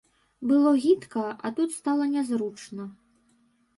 Было гідка, а тут стала нязручна.